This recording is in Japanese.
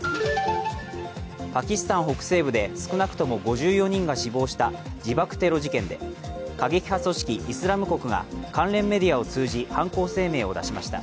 パキスタン北西部で少なくとも５４人が死亡した自爆テロ事件で、過激派組織イスラム国が関連メディアを通じ、犯行声明を出しました。